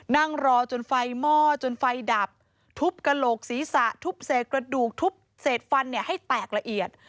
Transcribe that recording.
นั่งรอจนไฟหม้อจนไฟดับทุบกระโหลกศีรษะทุบเศษกระดูกทุบเศษฟันให้แตกละเอียด